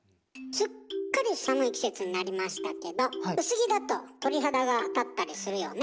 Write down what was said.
すっかり寒い季節になりましたけど薄着だと鳥肌が立ったりするよね。